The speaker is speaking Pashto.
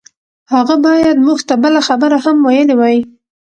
هغه بايد موږ ته بله خبره هم ويلي وای.